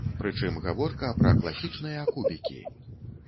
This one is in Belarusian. Прычым гаворка пра класічныя кубікі.